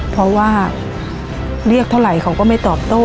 เพราะว่าเรียกเท่าไหร่เขาก็ไม่ตอบโต้